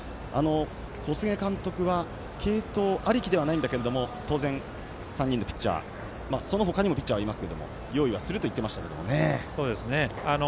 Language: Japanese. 小菅監督は継投ありきではないんだけれども当然３人のピッチャーその他にもピッチャーは用意はすると言っていましたけれども。